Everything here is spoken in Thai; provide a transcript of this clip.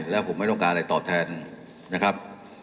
แล้วผมไม่ต้องการอะไรตอบแทนนะครับ